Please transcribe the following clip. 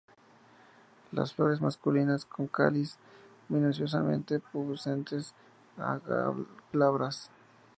Las flores masculinas: con cáliz minuciosamente pubescentes a glabras.